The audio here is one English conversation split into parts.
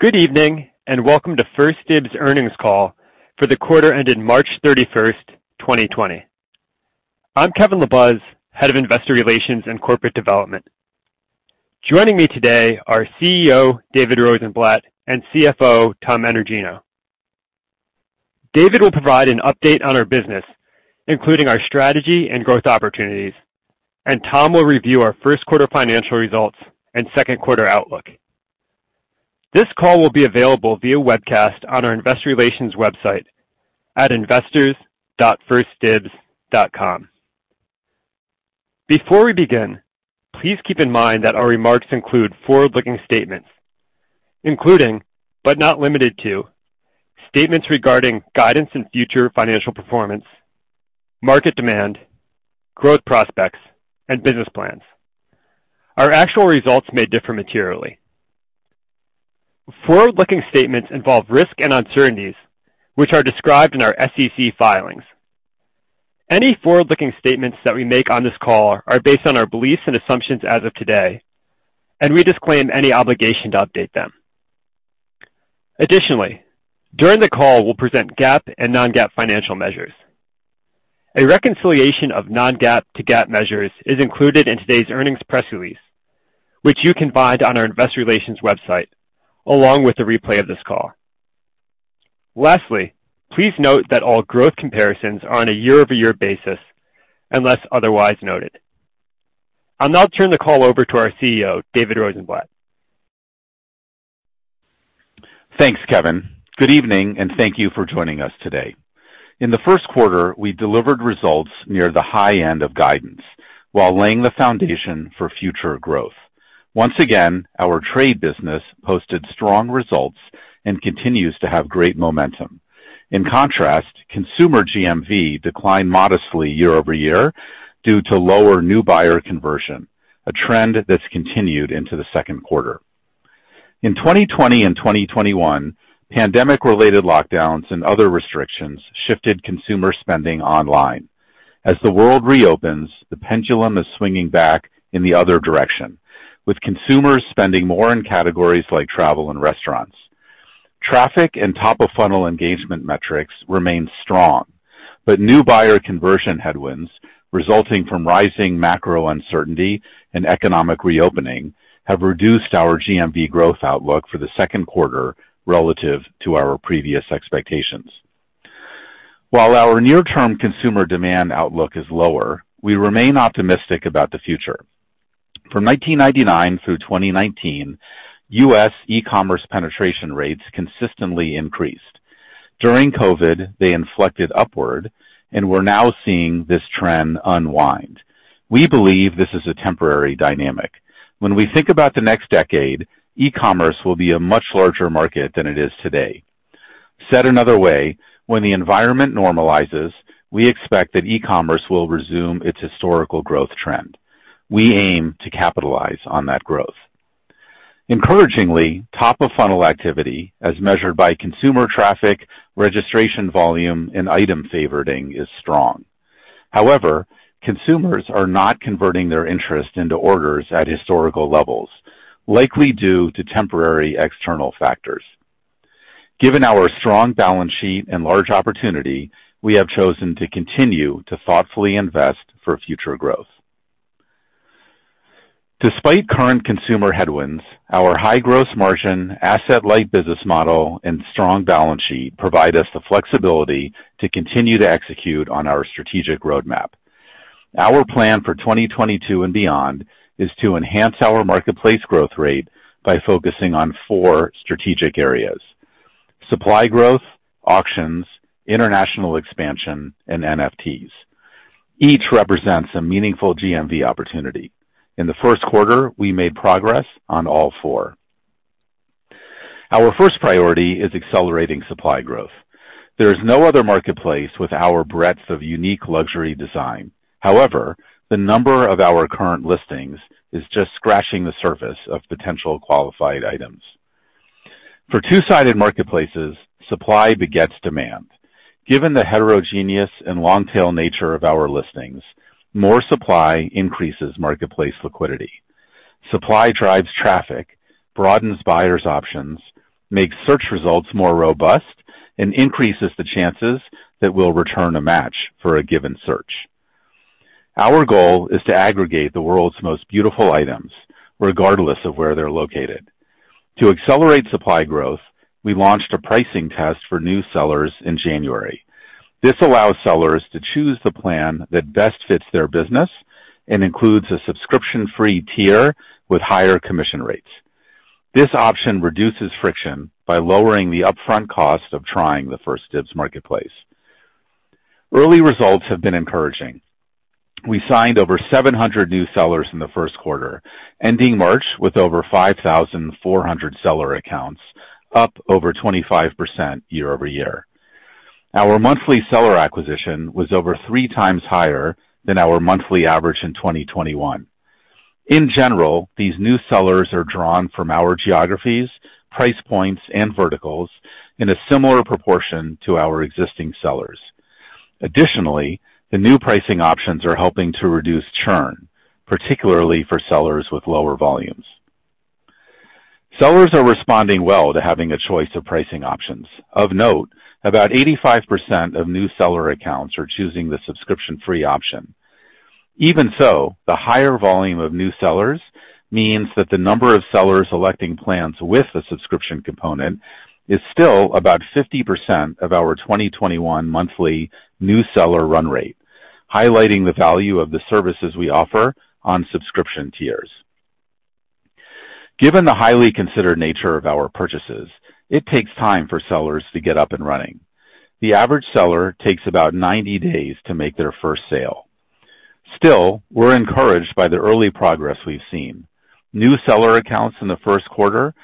Good evening, and welcome to 1stDibs earnings call for the quarter ended March 31st, 2020. I'm Kevin LaBuz, Head of Investor Relations and Corporate Development. Joining me today are CEO David Rosenblatt, and CFO Tom Etergino. David will provide an update on our business, including our strategy and growth opportunities, and Tom will review our first quarter financial results and second quarter outlook. This call will be available via webcast on our investor relations website at investors.1stdibs.com. Before we begin, please keep in mind that our remarks include forward-looking statements, including, but not limited to, statements regarding guidance and future financial performance, market demand, growth prospects, and business plans. Our actual results may differ materially. Forward-looking statements involve risks and uncertainties which are described in our SEC filings. Any forward-looking statements that we make on this call are based on our beliefs and assumptions as of today, and we disclaim any obligation to update them. Additionally, during the call, we'll present GAAP and non-GAAP financial measures. A reconciliation of non-GAAP to GAAP measures is included in today's earnings press release, which you can find on our investor relations website, along with a replay of this call. Lastly, please note that all growth comparisons are on a year-over-year basis, unless otherwise noted. I'll now turn the call over to our CEO, David Rosenblatt. Thanks, Kevin. Good evening, and thank you for joining us today. In the first quarter, we delivered results near the high end of guidance while laying the foundation for future growth. Once again, our trade business posted strong results and continues to have great momentum. In contrast, consumer GMV declined modestly year-over-year due to lower new buyer conversion, a trend that's continued into the second quarter. In 2020 and 2021, pandemic related lockdowns and other restrictions shifted consumer spending online. As the world reopens, the pendulum is swinging back in the other direction, with consumers spending more in categories like travel and restaurants. Traffic and top-of-funnel engagement metrics remain strong, but new buyer conversion headwinds resulting from rising macro uncertainty and economic reopening have reduced our GMV growth outlook for the second quarter relative to our previous expectations. While our near-term consumer demand outlook is lower, we remain optimistic about the future. From 1999 through 2019, US e-commerce penetration rates consistently increased. During COVID, they inflected upward, and we're now seeing this trend unwind. We believe this is a temporary dynamic. When we think about the next decade, e-commerce will be a much larger market than it is today. Said another way, when the environment normalizes, we expect that e-commerce will resume its historical growth trend. We aim to capitalize on that growth. Encouragingly, top-of-funnel activity, as measured by consumer traffic, registration volume, and item favoriting, is strong. However, consumers are not converting their interest into orders at historical levels, likely due to temporary external factors. Given our strong balance sheet and large opportunity, we have chosen to continue to thoughtfully invest for future growth. Despite current consumer headwinds, our high gross margin, asset-light business model and strong balance sheet provide us the flexibility to continue to execute on our strategic roadmap. Our plan for 2022 and beyond is to enhance our marketplace growth rate by focusing on four strategic areas, supply growth, auctions, international expansion, and NFTs. Each represents a meaningful GMV opportunity. In the first quarter, we made progress on all four. Our first priority is accelerating supply growth. There is no other marketplace with our breadth of unique luxury design. However, the number of our current listings is just scratching the surface of potential qualified items. For two-sided marketplaces, supply begets demand. Given the heterogeneous and long-tail nature of our listings, more supply increases marketplace liquidity. Supply drives traffic, broadens buyers' options, makes search results more robust, and increases the chances that we'll return a match for a given search. Our goal is to aggregate the world's most beautiful items, regardless of where they're located. To accelerate supply growth, we launched a pricing test for new sellers in January. This allows sellers to choose the plan that best fits their business and includes a subscription-free tier with higher commission rates. This option reduces friction by lowering the upfront cost of trying the 1stDibs marketplace. Early results have been encouraging. We signed over 700 new sellers in the first quarter, ending March with over 5,400 seller accounts, up over 25% year-over-year. Our monthly seller acquisition was over three times higher than our monthly average in 2021. In general, these new sellers are drawn from our geographies, price points, and verticals in a similar proportion to our existing sellers. Additionally, the new pricing options are helping to reduce churn, particularly for sellers with lower volumes. Sellers are responding well to having a choice of pricing options. Of note, about 85% of new seller accounts are choosing the subscription-free option. Even so, the higher volume of new sellers means that the number of sellers electing plans with a subscription component is still about 50% of our 2021 monthly new seller run rate, highlighting the value of the services we offer on subscription tiers. Given the highly considered nature of our purchases, it takes time for sellers to get up and running. The average seller takes about 90 days to make their first sale. Still, we're encouraged by the early progress we've seen. New seller accounts in the first quarter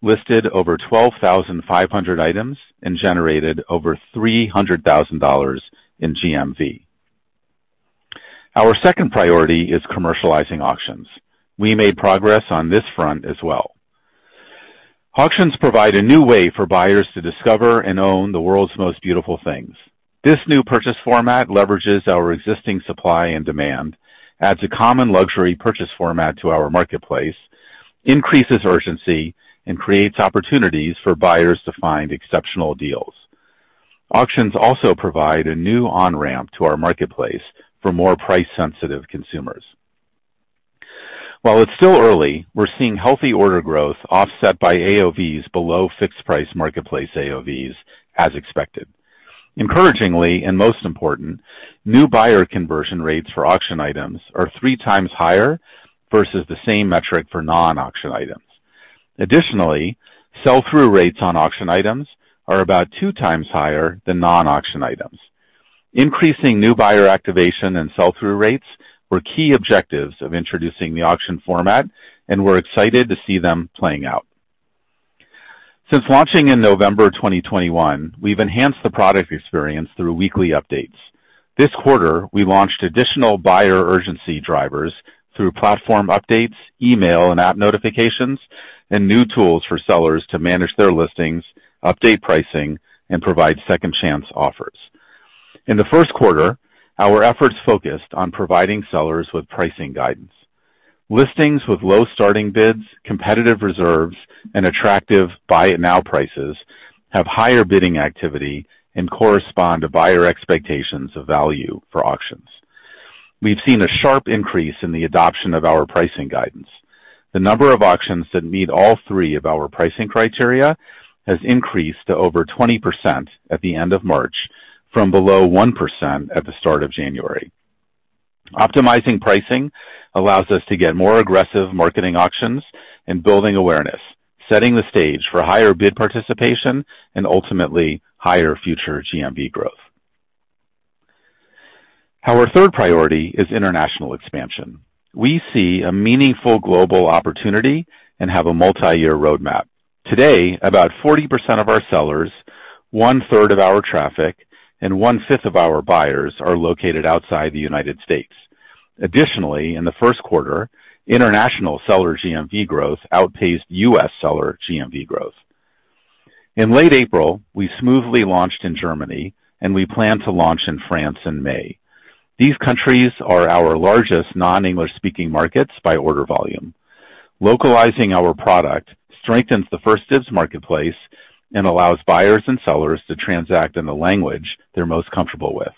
listed over 12,500 items and generated over $300,000 in GMV. Our second priority is commercializing auctions. We made progress on this front as well. Auctions provide a new way for buyers to discover and own the world's most beautiful things. This new purchase format leverages our existing supply and demand, adds a common luxury purchase format to our marketplace, increases urgency, and creates opportunities for buyers to find exceptional deals. Auctions also provide a new on-ramp to our marketplace for more price-sensitive consumers. While it's still early, we're seeing healthy order growth offset by AOVs below fixed price marketplace AOVs as expected. Encouragingly, and most important, new buyer conversion rates for auction items are three times higher versus the same metric for non-auction items. Additionally, sell-through rates on auction items are about two times higher than non-auction items. Increasing new buyer activation and sell-through rates were key objectives of introducing the auction format, and we're excited to see them playing out. Since launching in November 2021, we've enhanced the product experience through weekly updates. This quarter, we launched additional buyer urgency drivers through platform updates, email, and app notifications, and new tools for sellers to manage their listings, update pricing, and provide second chance offers. In the first quarter, our efforts focused on providing sellers with pricing guidance. Listings with low starting bids, competitive reserves, and attractive buy it now prices have higher bidding activity and correspond to buyer expectations of value for auctions. We've seen a sharp increase in the adoption of our pricing guidance. The number of auctions that meet all three of our pricing criteria has increased to over 20% at the end of March from below 1% at the start of January. Optimizing pricing allows us to get more aggressive marketing auctions and building awareness, setting the stage for higher bid participation and ultimately higher future GMV growth. Our third priority is international expansion. We see a meaningful global opportunity and have a multi-year roadmap. Today, about 40% of our sellers, 1/3 of our traffic, and 1/5 of our buyers are located outside the United States. Additionally, in the first quarter, international seller GMV growth outpaced U.S. seller GMV growth. In late April, we smoothly launched in Germany, and we plan to launch in France in May. These countries are our largest non-English speaking markets by order volume. Localizing our product strengthens the 1stDibs marketplace and allows buyers and sellers to transact in the language they're most comfortable with.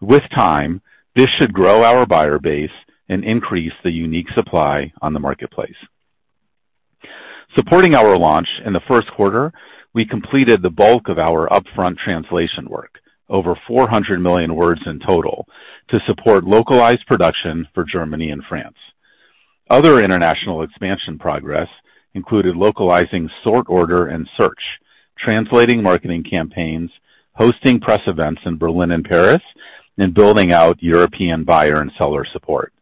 With time, this should grow our buyer base and increase the unique supply on the marketplace. Supporting our launch in the first quarter, we completed the bulk of our upfront translation work, over 400 million words in total, to support localized production for Germany and France. Other international expansion progress included localizing sort order and search, translating marketing campaigns, hosting press events in Berlin and Paris, and building out European buyer and seller support.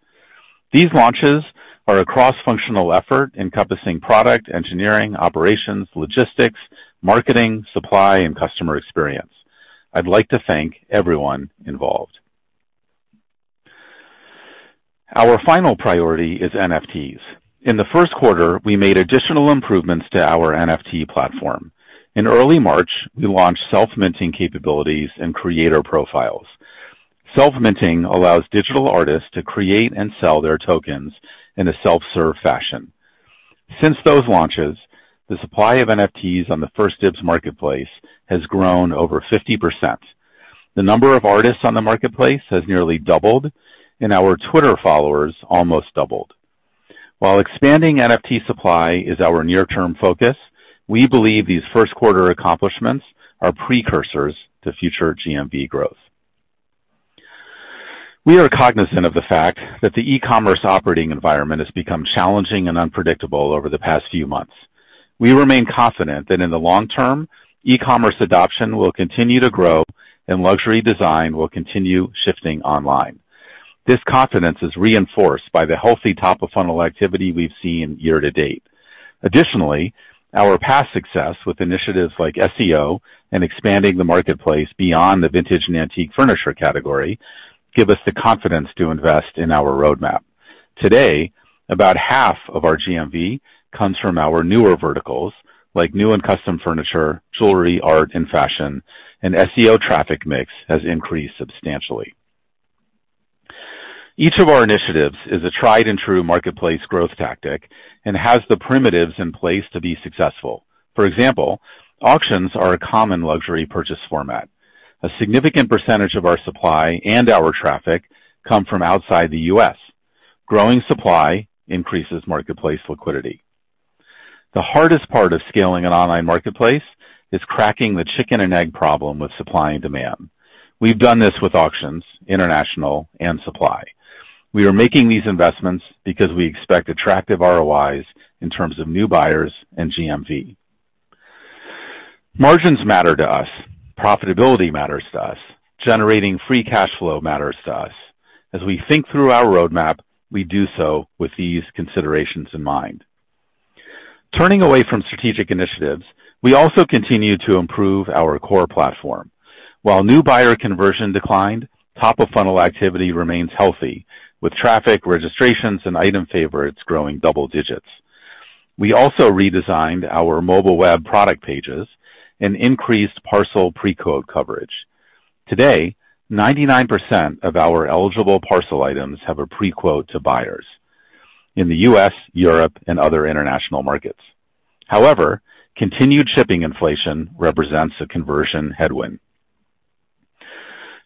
These launches are a cross-functional effort encompassing product, engineering, operations, logistics, marketing, supply, and customer experience. I'd like to thank everyone involved. Our final priority is NFTs. In the first quarter, we made additional improvements to our NFT platform. In early March, we launched self-minting capabilities and creator profiles. Self-minting allows digital artists to create and sell their tokens in a self-serve fashion. Since those launches, the supply of NFTs on the 1stDibs marketplace has grown over 50%. The number of artists on the marketplace has nearly doubled, and our Twitter followers almost doubled. While expanding NFT supply is our near term focus, we believe these first quarter accomplishments are precursors to future GMV growth. We are cognizant of the fact that the e-commerce operating environment has become challenging and unpredictable over the past few months. We remain confident that in the long term, e-commerce adoption will continue to grow and luxury design will continue shifting online. This confidence is reinforced by the healthy top-of-funnel activity we've seen year to date. Additionally, our past success with initiatives like SEO and expanding the marketplace beyond the vintage and antique furniture category. Give us the confidence to invest in our roadmap. Today, about half of our GMV comes from our newer verticals, like new and custom furniture, jewelry, art, and fashion, and SEO traffic mix has increased substantially. Each of our initiatives is a tried and true marketplace growth tactic and has the primitives in place to be successful. For example, auctions are a common luxury purchase format. A significant percentage of our supply and our traffic come from outside the U.S. Growing supply increases marketplace liquidity. The hardest part of scaling an online marketplace is cracking the chicken and egg problem with supply and demand. We've done this with auctions, international, and supply. We are making these investments because we expect attractive ROIs in terms of new buyers and GMV. Margins matter to us. Profitability matters to us. Generating free cash flow matters to us. As we think through our roadmap, we do so with these considerations in mind. Turning away from strategic initiatives, we also continue to improve our core platform. While new buyer conversion declined, top of funnel activity remains healthy, with traffic registrations and item favorites growing double digits. We also redesigned our mobile web product pages and increased parcel pre-quote coverage. Today, 99% of our eligible parcel items have a pre-quote to buyers in the U.S., Europe, and other international markets. However, continued shipping inflation represents a conversion headwind.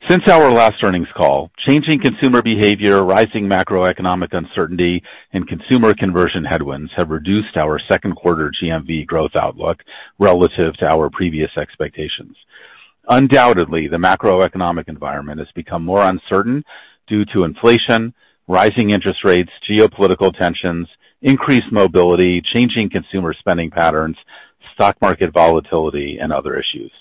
Since our last earnings call, changing consumer behavior, rising macroeconomic uncertainty, and consumer conversion headwinds have reduced our second quarter GMV growth outlook relative to our previous expectations. Undoubtedly, the macroeconomic environment has become more uncertain due to inflation, rising interest rates, geopolitical tensions, increased mobility, changing consumer spending patterns, stock market volatility, and other issues.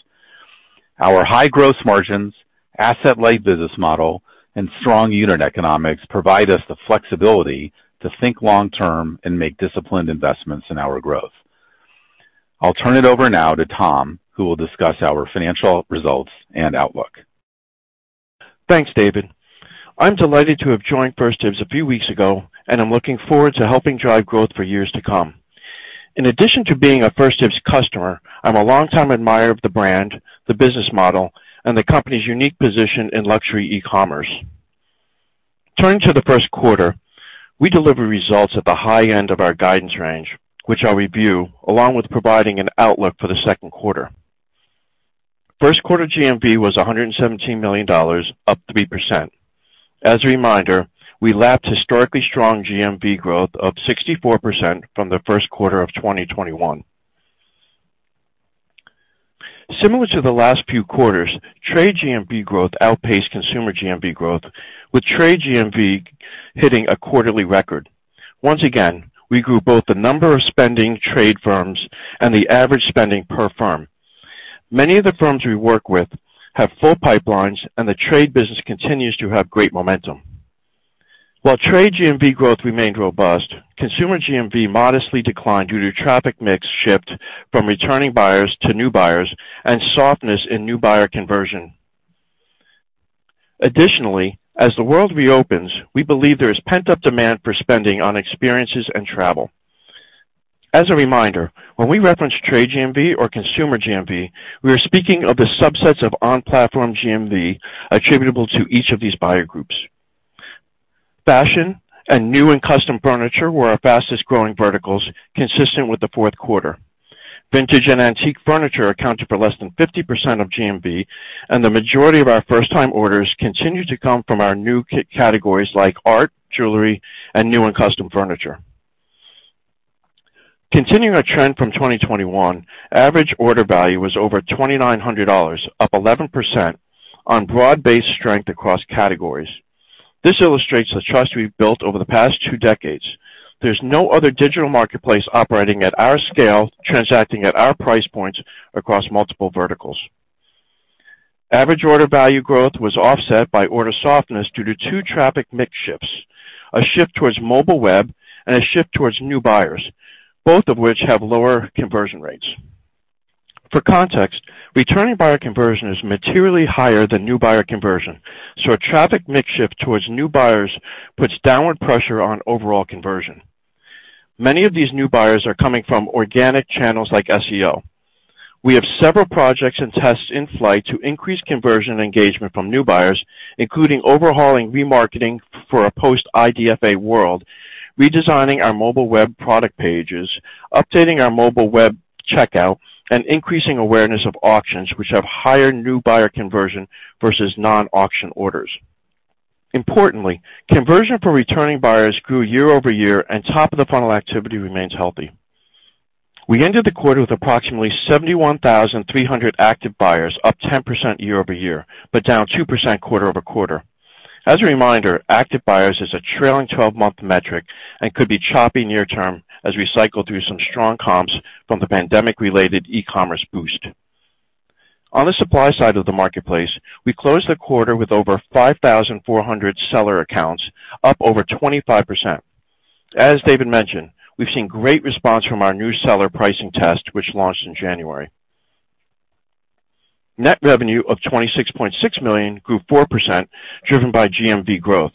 Our high growth margins, asset-light business model, and strong unit economics provide us the flexibility to think long-term and make disciplined investments in our growth. I'll turn it over now to Tom, who will discuss our financial results and outlook. Thanks, David. I'm delighted to have joined 1stDibs a few weeks ago, and I'm looking forward to helping drive growth for years to come. In addition to being a 1stDibs customer, I'm a longtime admirer of the brand, the business model, and the company's unique position in luxury e-commerce. Turning to the first quarter, we delivered results at the high end of our guidance range, which I'll review along with providing an outlook for the second quarter. First quarter GMV was $117 million, up 3%. As a reminder, we lapped historically strong GMV growth of 64% from the first quarter of 2021. Similar to the last few quarters, trade GMV growth outpaced consumer GMV growth, with trade GMV hitting a quarterly record. Once again, we grew both the number of spending trade firms and the average spending per firm. Many of the firms we work with have full pipelines, and the trade business continues to have great momentum. While trade GMV growth remained robust, consumer GMV modestly declined due to traffic mix shift from returning buyers to new buyers and softness in new buyer conversion. Additionally, as the world reopens, we believe there is pent-up demand for spending on experiences and travel. As a reminder, when we reference trade GMV or consumer GMV, we are speaking of the subsets of on-platform GMV attributable to each of these buyer groups. Fashion and new and custom furniture were our fastest-growing verticals, consistent with the fourth quarter. Vintage and antique furniture accounted for less than 50% of GMV, and the majority of our first-time orders continue to come from our new categories, like art, jewelry, and new and custom furniture. Continuing our trend from 2021, average order value was over $2,900, up 11% on broad-based strength across categories. This illustrates the trust we've built over the past two decades. There's no other digital marketplace operating at our scale, transacting at our price points across multiple verticals. Average order value growth was offset by order softness due to two traffic mix shifts. A shift towards mobile web and a shift towards new buyers, both of which have lower conversion rates. For context, returning buyer conversion is materially higher than new buyer conversion, so a traffic mix shift towards new buyers puts downward pressure on overall conversion. Many of these new buyers are coming from organic channels like SEO. We have several projects and tests in flight to increase conversion and engagement from new buyers, including overhauling remarketing for a post-IDFA world, redesigning our mobile web product pages, updating our mobile web checkout, and increasing awareness of auctions, which have higher new buyer conversion versus non-auction orders. Importantly, conversion for returning buyers grew year-over-year, and top of the funnel activity remains healthy. We ended the quarter with approximately 71,300 active buyers, up 10% year-over-year, but down 2% quarter-over-quarter. As a reminder, active buyers is a trailing twelve-month metric and could be choppy near term as we cycle through some strong comps from the pandemic-related e-commerce boost. On the supply side of the marketplace, we closed the quarter with over 5,400 seller accounts, up over 25%. As David mentioned, we've seen great response from our new seller pricing test, which launched in January. Net revenue of $26.6 million grew 4%, driven by GMV growth.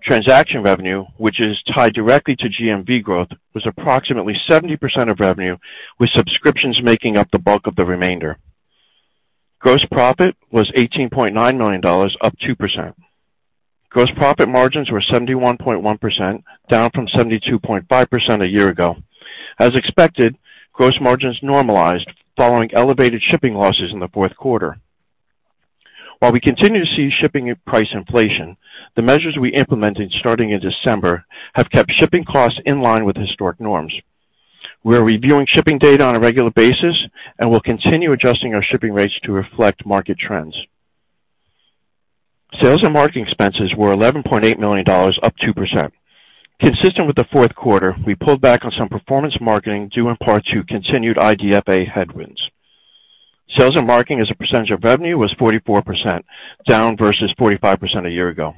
Transaction revenue, which is tied directly to GMV growth, was approximately 70% of revenue, with subscriptions making up the bulk of the remainder. Gross profit was $18.9 million, up 2%. Gross profit margins were 71.1%, down from 72.5% a year ago. As expected, gross margins normalized following elevated shipping losses in the fourth quarter. While we continue to see shipping price inflation, the measures we implemented starting in December have kept shipping costs in line with historic norms. We are reviewing shipping data on a regular basis and will continue adjusting our shipping rates to reflect market trends. Sales and marketing expenses were $11.8 million, up 2%. Consistent with the fourth quarter, we pulled back on some performance marketing, due in part to continued IDFA headwinds. Sales and marketing as a percentage of revenue was 44%, down versus 45% a year ago.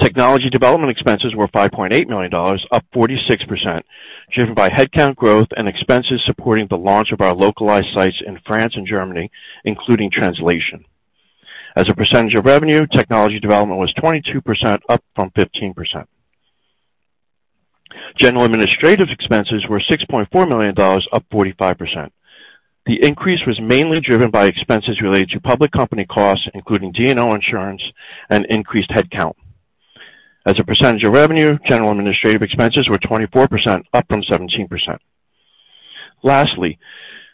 Technology development expenses were $5.8 million, up 46%, driven by headcount growth and expenses supporting the launch of our localized sites in France and Germany, including translation. As a percentage of revenue, technology development was 22%, up from 15%. General administrative expenses were $6.4 million, up 45%. The increase was mainly driven by expenses related to public company costs, including D&O insurance and increased headcount. As a percentage of revenue, general administrative expenses were 24%, up from 17%. Lastly,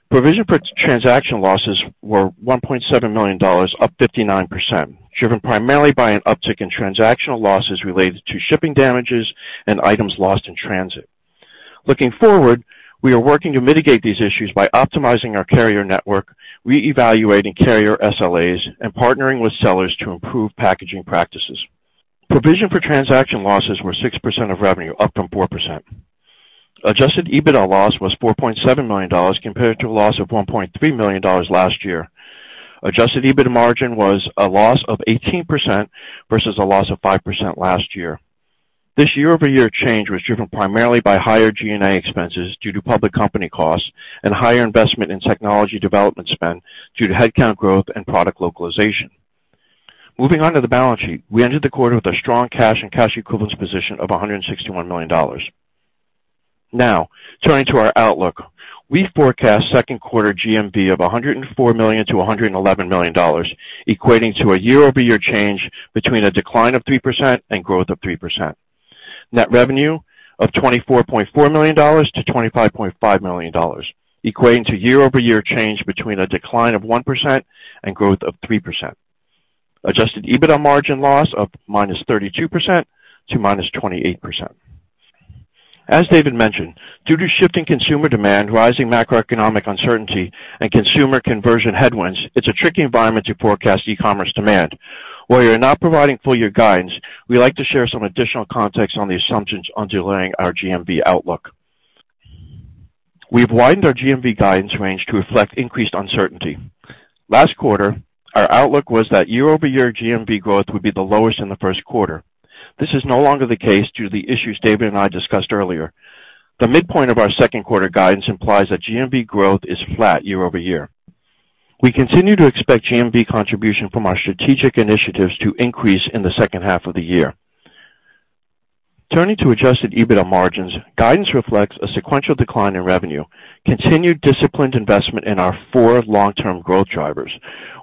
provision for transaction losses were $1.7 million, up 59%, driven primarily by an uptick in transactional losses related to shipping damages and items lost in transit. Looking forward, we are working to mitigate these issues by optimizing our carrier network, re-evaluating carrier SLAs, and partnering with sellers to improve packaging practices. Provision for transaction losses were 6% of revenue, up from 4%. Adjusted EBITDA loss was $4.7 million, compared to a loss of $1.3 million last year. Adjusted EBITDA margin was a loss of 18% versus a loss of 5% last year. This year-over-year change was driven primarily by higher G&A expenses due to public company costs and higher investment in technology development spend due to headcount growth and product localization. Moving on to the balance sheet. We ended the quarter with a strong cash and cash equivalents position of $161 million. Now, turning to our outlook. We forecast second quarter GMV of $104 million-$111 million, equating to a year-over-year change between a decline of 3% and growth of 3%. Net revenue of $24.4 million-$25.5 million, equating to year-over-year change between a decline of 1% and growth of 3%. Adjusted EBITDA margin loss of -32% to -28%. As David mentioned, due to shifting consumer demand, rising macroeconomic uncertainty, and consumer conversion headwinds, it's a tricky environment to forecast e-commerce demand. We're not providing full year guidance, we like to share some additional context on the assumptions underlying our GMV outlook. We've widened our GMV guidance range to reflect increased uncertainty. Last quarter, our outlook was that year-over-year GMV growth would be the lowest in the first quarter. This is no longer the case due to the issues David and I discussed earlier. The midpoint of our second quarter guidance implies that GMV growth is flat year over year. We continue to expect GMV contribution from our strategic initiatives to increase in the second half of the year. Turning to adjusted EBITDA margins, guidance reflects a sequential decline in revenue, continued disciplined investment in our four long-term growth drivers.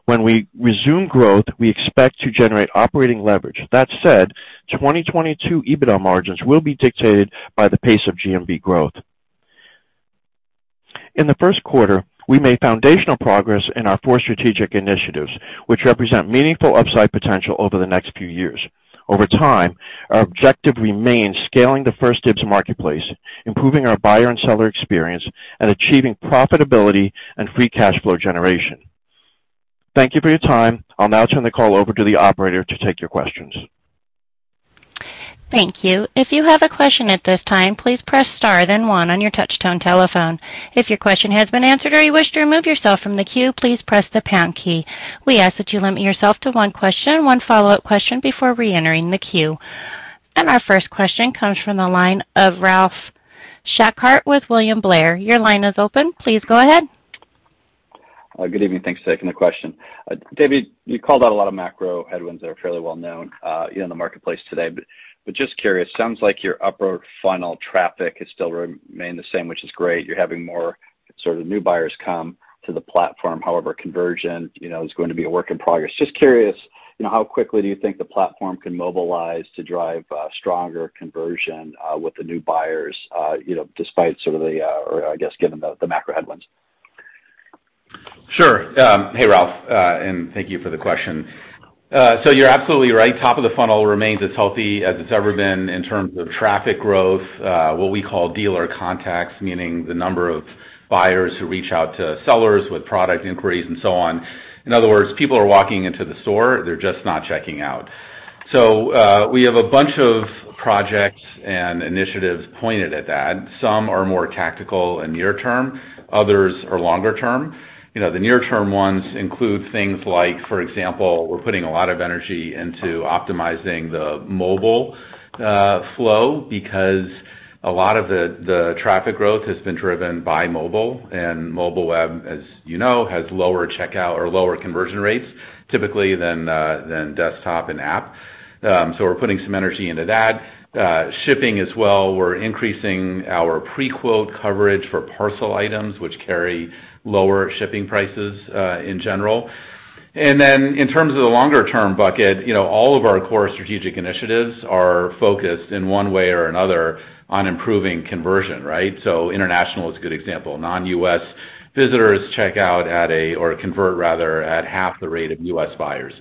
When we resume growth, we expect to generate operating leverage. That said, 2022 EBITDA margins will be dictated by the pace of GMV growth. In the first quarter, we made foundational progress in our four strategic initiatives, which represent meaningful upside potential over the next few years. Over time, our objective remains scaling the 1stDibs marketplace, improving our buyer and seller experience, and achieving profitability and free cash flow generation. Thank you for your time. I'll now turn the call over to the operator to take your questions. Thank you. If you have a question at this time, please press star then one on your touch tone telephone. If your question has been answered or you wish to remove yourself from the queue, please press the pound key. We ask that you limit yourself to one question and one follow-up question before reentering the queue. Our first question comes from the line of Ralph Schackart with William Blair. Your line is open. Please go ahead. Good evening. Thanks, taking the question. David, you called out a lot of macro headwinds that are fairly well known in the marketplace today. Just curious, sounds like your upper funnel traffic has still remained the same, which is great. You're having more sort of new buyers come to the platform. However, conversion, you know, is going to be a work in progress. Just curious, you know, how quickly do you think the platform can mobilize to drive stronger conversion with the new buyers, you know, despite some of the, or I guess given the macro headwinds? Sure. Hey, Ralph, and thank you for the question. You're absolutely right. Top of the funnel remains as healthy as it's ever been in terms of traffic growth, what we call dealer contacts, meaning the number of buyers who reach out to sellers with product inquiries and so on. In other words, people are walking into the store, they're just not checking out. We have a bunch of projects and initiatives pointed at that. Some are more tactical and near-term, others are longer term. You know, the near-term ones include things like, for example, we're putting a lot of energy into optimizing the mobile flow because a lot of the traffic growth has been driven by mobile, and mobile web, as you know, has lower checkout or lower conversion rates typically than desktop and app. We're putting some energy into that. Shipping as well, we're increasing our pre-quote coverage for parcel items, which carry lower shipping prices in general. Then in terms of the longer-term bucket, you know, all of our core strategic initiatives are focused in one way or another on improving conversion, right? International is a good example. Non-U.S. visitors check out at a, or convert rather, at half the rate of U.S. buyers.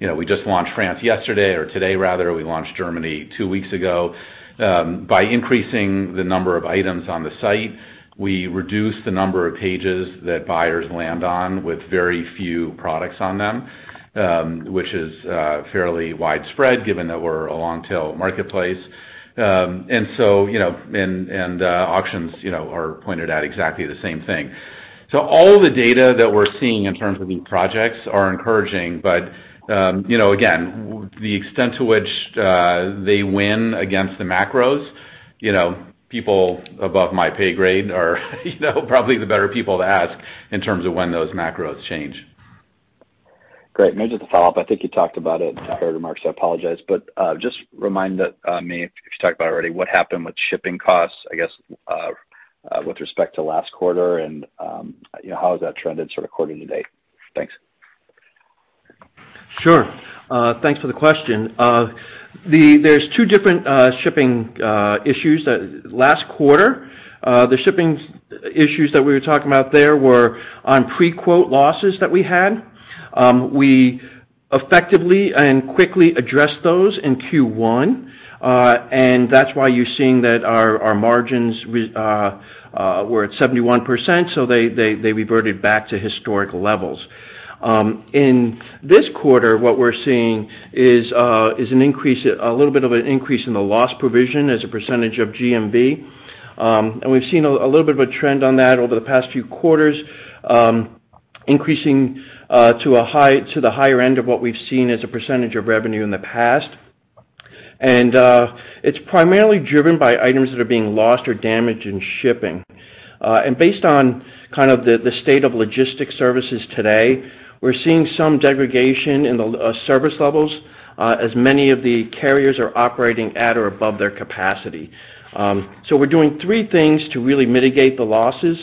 You know, we just launched France yesterday, or today rather. We launched Germany two weeks ago. By increasing the number of items on the site, we reduce the number of pages that buyers land on with very few products on them, which is fairly widespread given that we're a long-tail marketplace. You know, auctions are pointed at exactly the same thing. All the data that we're seeing in terms of these projects are encouraging, but you know, again, the extent to which they win against the macros, you know, people above my pay grade are, you know, probably the better people to ask in terms of when those macros change. Great. Maybe just a follow-up, I think you talked about it in earlier remarks, I apologize, but just remind me if you talked about it already, what happened with shipping costs, I guess, with respect to last quarter and, you know, how has that trended sort of quarter to date? Thanks. Sure. Thanks for the question. There's two different shipping issues that last quarter. The shipping issues that we were talking about there were on pre-quote losses that we had. We effectively and quickly addressed those in Q1. That's why you're seeing that our margins were at 71%, so they reverted back to historic levels. In this quarter, what we're seeing is an increase, a little bit of an increase in the loss provision as a percentage of GMV. We've seen a little bit of a trend on that over the past few quarters, increasing to the higher end of what we've seen as a percentage of revenue in the past. It's primarily driven by items that are being lost or damaged in shipping. Based on kind of the state of logistics services today, we're seeing some degradation in the service levels as many of the carriers are operating at or above their capacity. We're doing three things to really mitigate the losses.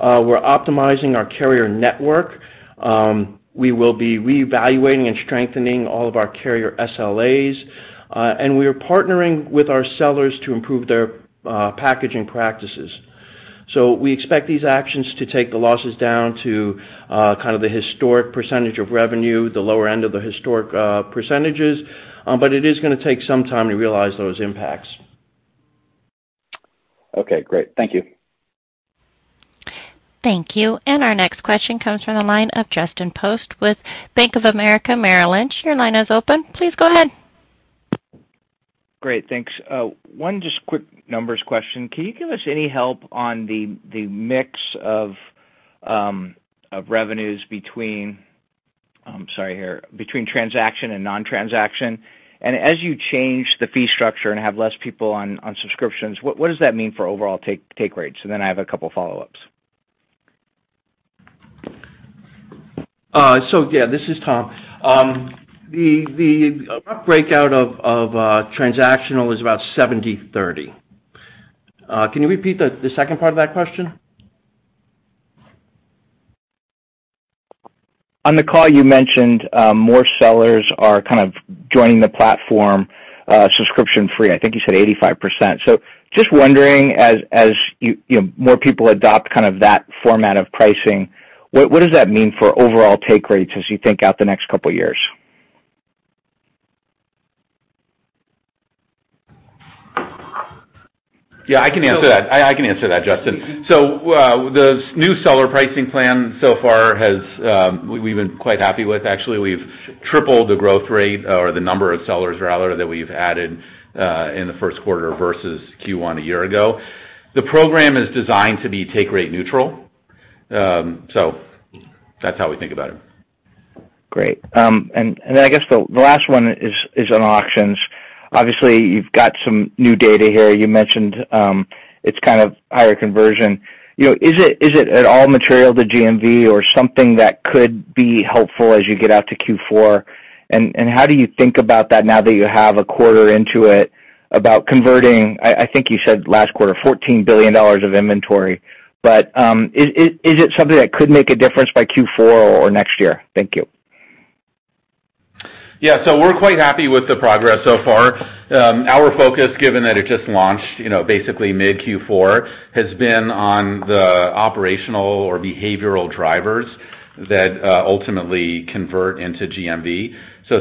We're optimizing our carrier network. We will be reevaluating and strengthening all of our carrier SLAs, and we are partnering with our sellers to improve their packaging practices. We expect these actions to take the losses down to kind of the historic percentage of revenue, the lower end of the historic percentages, but it is gonna take some time to realize those impacts. Okay, great. Thank you. Thank you. Our next question comes from the line of Justin Post with Bank of America Merrill Lynch. Your line is open. Please go ahead. Great. Thanks. One just quick numbers question. Can you give us any help on the mix of revenues between transaction and non-transaction? As you change the fee structure and have less people on subscriptions, what does that mean for overall take rates? Then I have a couple follow-ups. Yeah, this is Tom. The breakout of transactional is about 70/30. Can you repeat the second part of that question? On the call, you mentioned more sellers are kind of joining the platform subscription-free. I think you said 85%. Just wondering as you know more people adopt kind of that format of pricing, what does that mean for overall take rates as you think out the next couple of years? Yeah, I can answer that. I can answer that, Justin. The new seller pricing plan so far has, we've been quite happy with. Actually, we've tripled the growth rate or the number of sellers rather than that we've added in the first quarter versus Q1 a year ago. The program is designed to be take rate neutral, so that's how we think about it. Great. And then I guess the last one is on auctions. Obviously, you've got some new data here. You mentioned, it's kind of higher conversion. You know, is it at all material to GMV or something that could be helpful as you get out to Q4? How do you think about that now that you have a quarter into it about converting? I think you said last quarter, $14 billion of inventory. Is it something that could make a difference by Q4 or next year? Thank you. Yeah. We're quite happy with the progress so far. Our focus, given that it just launched, you know, basically mid Q4, has been on the operational or behavioral drivers that ultimately convert into GMV.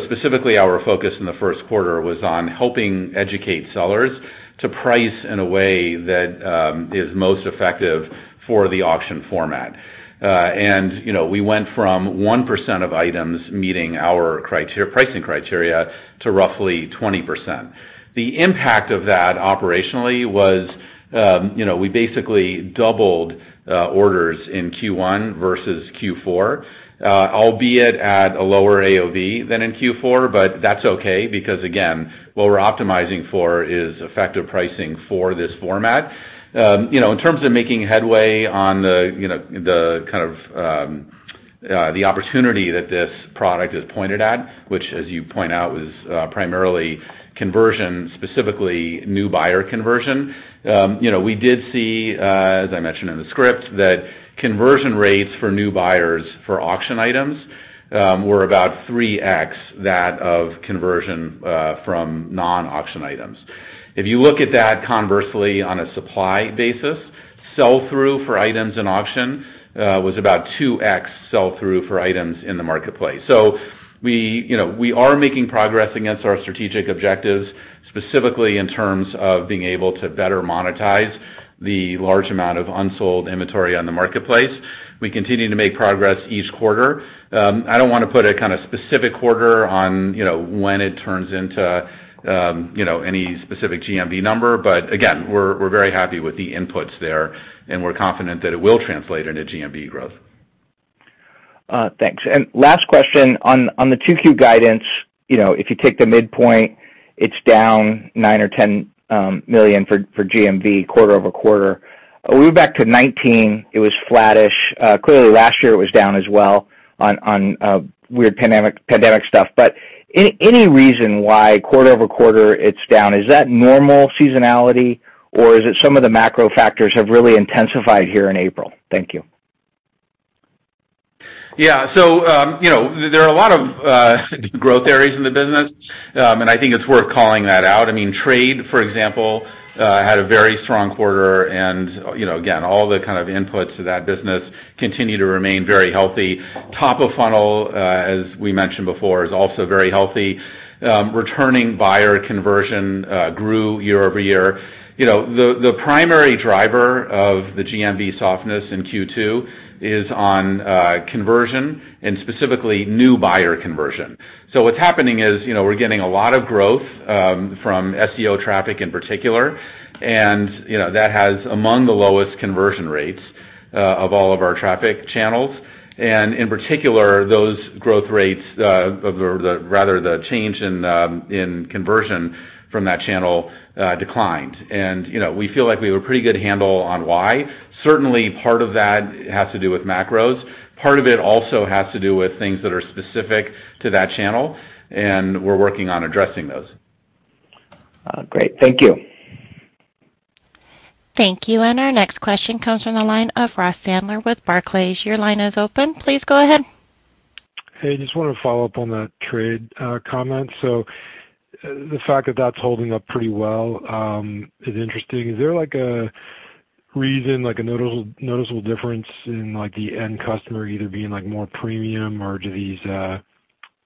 Specifically, our focus in the first quarter was on helping educate sellers to price in a way that is most effective for the auction format. You know, we went from 1% of items meeting our criteria, pricing criteria to roughly 20%. The impact of that operationally was, you know, we basically doubled orders in Q1 versus Q4, albeit at a lower AOV than in Q4. That's okay because again, what we're optimizing for is effective pricing for this format. You know, in terms of making headway on the opportunity that this product is pointed at, which as you point out, was primarily conversion, specifically new buyer conversion. You know, we did see, as I mentioned in the script, that conversion rates for new buyers for auction items were about 3x that of conversion from non-auction items. If you look at that conversely, on a supply basis, sell-through for items in auction was about 2x sell-through for items in the marketplace. We, you know, are making progress against our strategic objectives, specifically in terms of being able to better monetize the large amount of unsold inventory on the marketplace. We continue to make progress each quarter. I don't wanna put a kinda specific quarter on, you know, when it turns into, you know, any specific GMV number. Again, we're very happy with the inputs there, and we're confident that it will translate into GMV growth. Thanks. Last question on the 2Q guidance. You know, if you take the midpoint, it's down $9 or $10 million for GMV quarter-over-quarter. Way back to 2019, it was flattish. Clearly last year it was down as well on weird pandemic stuff. Any reason why quarter-over-quarter it's down? Is that normal seasonality or is it some of the macro factors have really intensified here in April? Thank you. Yeah. You know, there are a lot of growth areas in the business. I think it's worth calling that out. I mean, trade, for example, had a very strong quarter. You know, again, all the kind of inputs to that business continue to remain very healthy. Top of funnel, as we mentioned before, is also very healthy. Returning buyer conversion grew year-over-year. You know, the primary driver of the GMV softness in Q2 is on conversion and specifically new buyer conversion. What's happening is, you know, we're getting a lot of growth from SEO traffic in particular, and, you know, that has among the lowest conversion rates of all of our traffic channels. In particular, those growth rates rather, the change in conversion from that channel declined. You know, we feel like we have a pretty good handle on why. Certainly part of that has to do with macros. Part of it also has to do with things that are specific to that channel, and we're working on addressing those. Great. Thank you. Thank you. Our next question comes from the line of Ross Sandler with Barclays. Your line is open. Please go ahead. Hey, just wanted to follow up on that trade comment. The fact that that's holding up pretty well is interesting. Is there like a reason, like a noticeable difference in like the end customer either being like more premium or do these,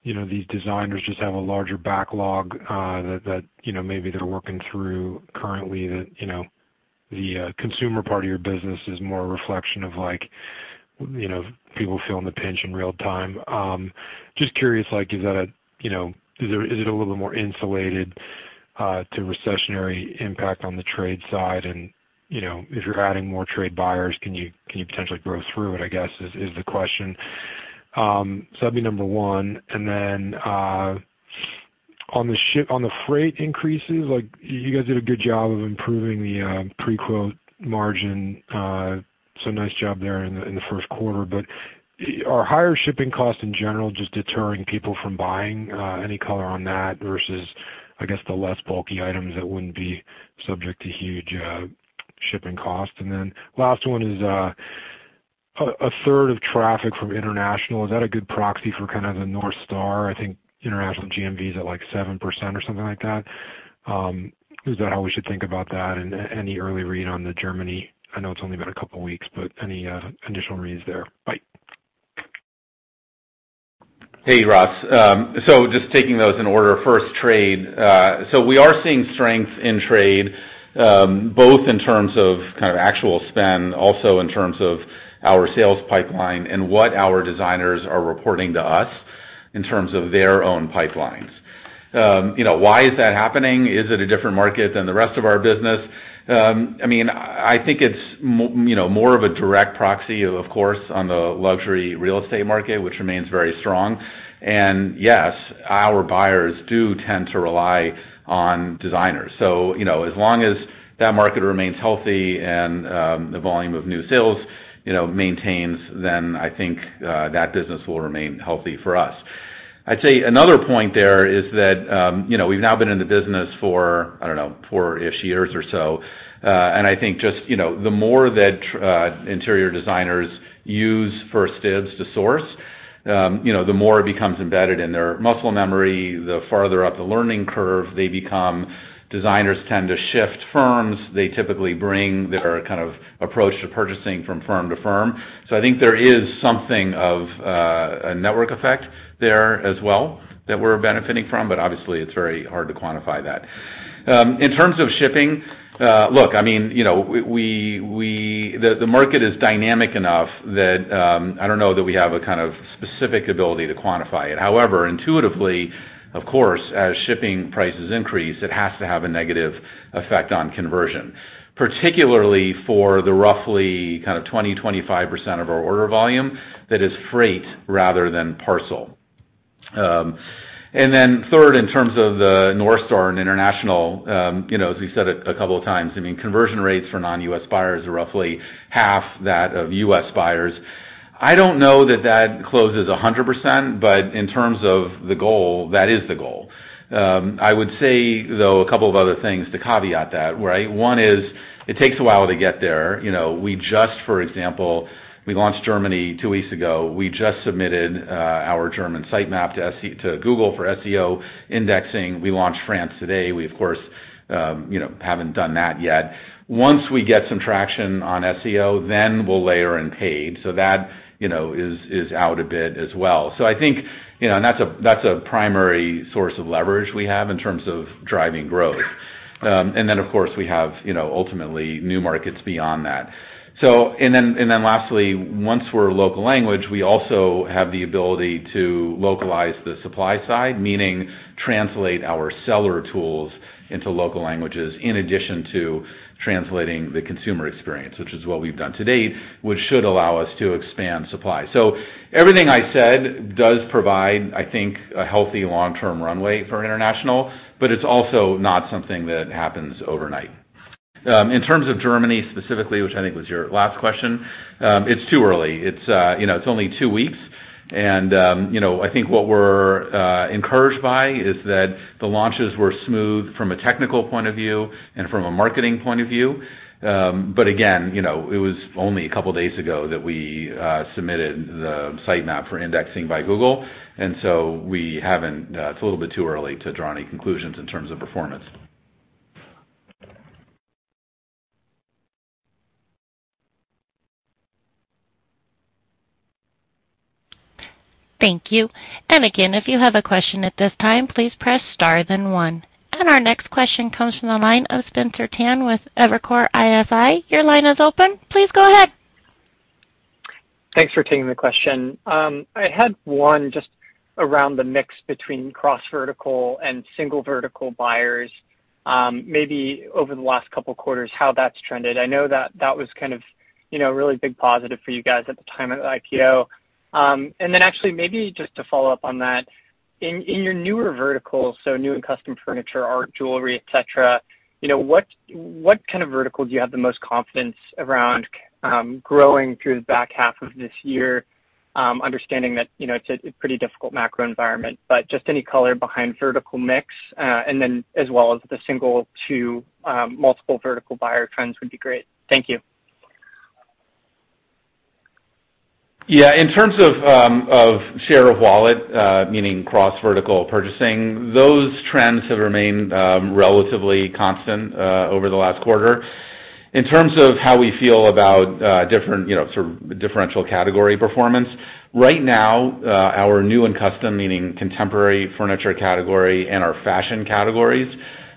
you know, these designers just have a larger backlog that you know maybe they're working through currently that you know the consumer part of your business is more a reflection of like you know people feeling the pinch in real time? Just curious, like is that a you know is it a little more insulated to recessionary impact on the trade side? You know, if you're adding more trade buyers, can you potentially grow through it, I guess, is the question. That'd be number one. On the freight increases, like you guys did a good job of improving the pre-quote margin. Nice job there in the first quarter. Are higher shipping costs in general just deterring people from buying, any color on that versus, I guess, the less bulky items that wouldn't be subject to huge shipping costs. Last one is a third of traffic from international, is that a good proxy for kind of the North Star? I think international GMV is at like 7% or something like that. Is that how we should think about that? Any early read on Germany, I know it's only been a couple of weeks, but any additional reads there? Bye. Hey, Ross. Just taking those in order. First, trade. We are seeing strength in trade, both in terms of kind of actual spend, also in terms of our sales pipeline and what our designers are reporting to us in terms of their own pipelines. You know, why is that happening? Is it a different market than the rest of our business? I mean, I think it's, you know, more of a direct proxy, of course, on the luxury real estate market, which remains very strong. Yes, our buyers do tend to rely on designers. You know, as long as that market remains healthy and the volume of new sales maintains, then I think that business will remain healthy for us. I'd say another point there is that, you know, we've now been in the business for, I don't know, four years or so, and I think just, you know, the more that interior designers use 1stDibs to source. You know, the more it becomes embedded in their muscle memory, the farther up the learning curve they become. Designers tend to shift firms. They typically bring their kind of approach to purchasing from firm to firm. So I think there is something of a network effect there as well that we're benefiting from, but obviously, it's very hard to quantify that. In terms of shipping, look, I mean, you know, the market is dynamic enough that, I don't know that we have a kind of specific ability to quantify it. However, intuitively, of course, as shipping prices increase, it has to have a negative effect on conversion, particularly for the roughly kind of 20%-25% of our order volume that is freight rather than parcel. Third, in terms of the North Star and international, you know, as we said it a couple of times, I mean, conversion rates for non-U.S. buyers are roughly half that of U.S. buyers. I don't know that that closes 100%, but in terms of the goal, that is the goal. I would say, though, a couple of other things to caveat that, right? One is it takes a while to get there. You know, we just, for example, we launched in Germany two weeks ago. We just submitted our German site map to Google for SEO indexing. We launched in France today. We, of course, you know, haven't done that yet. Once we get some traction on SEO, then we'll layer in paid. That, you know, is out a bit as well. I think, you know, that's a primary source of leverage we have in terms of driving growth. Of course, we have, you know, ultimately new markets beyond that. Lastly, once we're local language, we also have the ability to localize the supply side, meaning translate our seller tools into local languages in addition to translating the consumer experience, which is what we've done to date, which should allow us to expand supply. Everything I said does provide, I think, a healthy long-term runway for international, but it's also not something that happens overnight. In terms of Germany specifically, which I think was your last question, it's too early. It's, you know, it's only two weeks and, you know, I think what we're encouraged by is that the launches were smooth from a technical point of view and from a marketing point of view. Again, you know, it was only a couple of days ago that we submitted the site map for indexing by Google, and so we haven't. It's a little bit too early to draw any conclusions in terms of performance. Thank you. Again, if you have a question at this time, please press Star then one. Our next question comes from the line of Spencer Tan with Evercore ISI. Your line is open. Please go ahead. Thanks for taking the question. I had one just around the mix between cross-vertical and single vertical buyers, maybe over the last couple of quarters, how that's trended. I know that was kind of, you know, a really big positive for you guys at the time of IPO. Actually maybe just to follow up on that, in your newer verticals, so new and custom furniture, art, jewelry, et cetera, you know, what kind of vertical do you have the most confidence around, growing through the back half of this year? Understanding that, you know, it's a pretty difficult macro environment, but just any color behind vertical mix, and then as well as the single to multiple vertical buyer trends would be great. Thank you. Yeah. In terms of share of wallet, meaning cross-vertical purchasing, those trends have remained relatively constant over the last quarter. In terms of how we feel about different, you know, sort of differential category performance. Right now, our new and custom, meaning contemporary furniture category and our fashion categories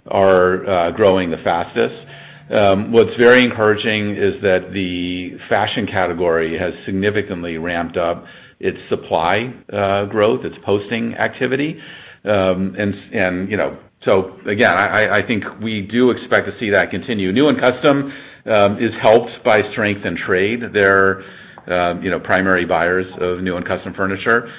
are growing the fastest. What's very encouraging is that the fashion category has significantly ramped up its supply growth, its posting activity. Again, I think we do expect to see that continue. New and custom is helped by strength in trade. They're, you know, primary buyers of new and custom furniture.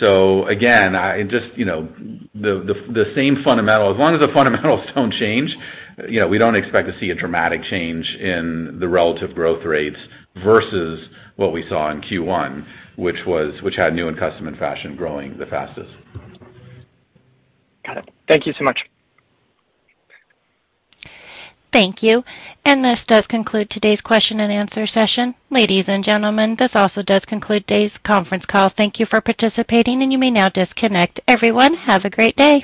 Again, I just, you know, the same fundamental. As long as the fundamentals don't change, you know, we don't expect to see a dramatic change in the relative growth rates versus what we saw in Q1, which had new and custom and fashion growing the fastest. Got it. Thank you so much. Thank you. This does conclude today's question and answer session. Ladies and gentlemen, this also does conclude today's conference call. Thank you for participating, and you may now disconnect. Everyone, have a great day.